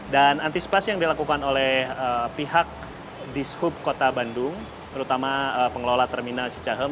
dan antisipasi yang dilakukan oleh pihak di subkota bandung terutama pengelola terminal cicahem